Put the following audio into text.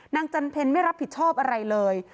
จันเพลไม่รับผิดชอบอะไรเลย